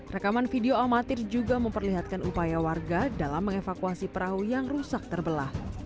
rekaman video amatir juga memperlihatkan upaya warga dalam mengevakuasi perahu yang rusak terbelah